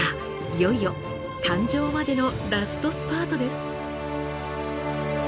いよいよ誕生までのラストスパートです。